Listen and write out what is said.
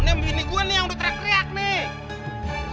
nih bini gue nih yang udah teriak teriak nih